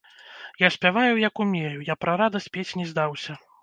Я спяваю, як умею, я пра радасць пець не здаўся.